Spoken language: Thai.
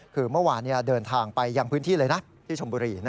คือเมื่อวานเดินทางไปยังพื้นที่เลยนะที่ชมบุรี